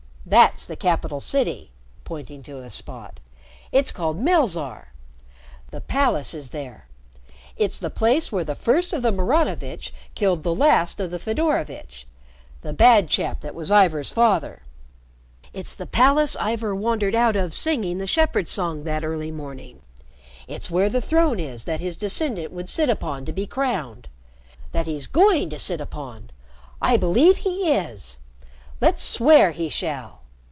That's the capital city," pointing to a spot. "It's called Melzarr. The palace is there. It's the place where the first of the Maranovitch killed the last of the Fedorovitch the bad chap that was Ivor's father. It's the palace Ivor wandered out of singing the shepherds' song that early morning. It's where the throne is that his descendant would sit upon to be crowned that he's going to sit upon. I believe he is! Let's swear he shall!"